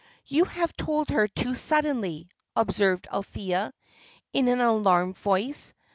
"You have told her too suddenly," observed Althea, in an alarmed voice.